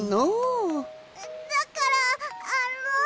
だからあの。